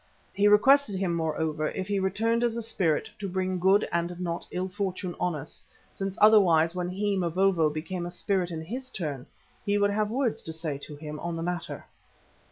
He requested him, moreover, if he returned as a spirit, to bring good and not ill fortune on us, since otherwise when he, Mavovo, became a spirit in his turn, he would have words to say to him on the matter.